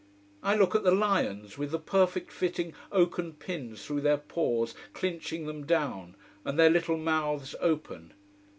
I look at the lions, with the perfect fitting oaken pins through their paws clinching them down, and their little mouths open.